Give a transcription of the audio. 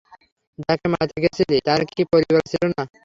যাকে মারতে গেছিলি, তার কি পরিবার ছিল না?